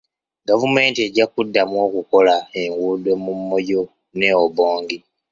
Gavumenti ejja kuddamu okukola enguudo mu Moyo ne Obongi.